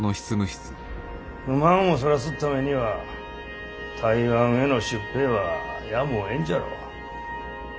不満をそらすっためには台湾への出兵はやむをえんじゃろう。